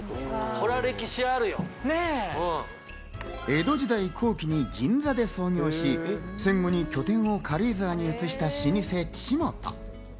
江戸時代後期に銀座で創業し、戦後に拠点を軽井沢に移した老舗・ちもと。